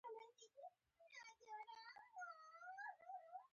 بخت مې پیدارېږي کاک مې په څلور روانېږي متل د ساده میرمنې کیسه ده